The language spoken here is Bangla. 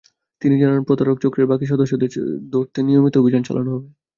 তিনি জানান, প্রতারক চক্রের বাকি সদস্যদের ধরতে নিয়মিত অভিযান চালানো হবে।